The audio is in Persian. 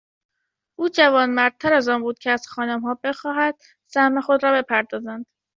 او جوانمردتر از آن بود که از خانمها بخواهد سهم خود را بپردازند.